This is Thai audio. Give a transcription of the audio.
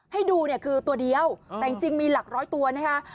ให้ดูเนี่ยคือตัวเดียวแต่จริงมีหลักร้อยตัวนะคะ